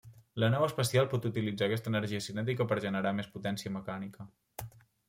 La nau espacial pot utilitzar aquesta energia cinètica per generar més potència mecànica.